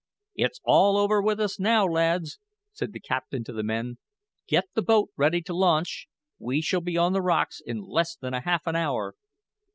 "It's all over with us now, lads!" said the captain to the men. "Get the boat ready to launch; we shall be on the rocks in less than half an hour."